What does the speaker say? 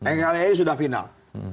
nkri sudah final